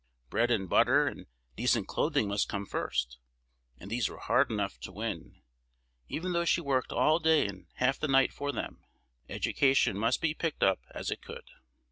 Bread and butter and decent clothing must come first, and these were hard enough to win, even though she worked all day and half the night for them. Education must be picked up as it could.